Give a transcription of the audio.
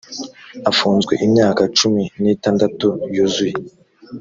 afunzwe imyaka cumi n’itandatu yuzuye